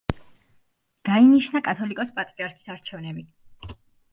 დაინიშნა კათოლიკოს-პატრიარქის არჩევნები.